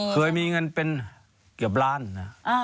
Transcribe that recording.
เคยมีเงินเป็นเกี่ยวกับร้านนะ